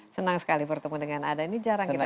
senang sekali bertemu dengan anda ini jarang kita ketemu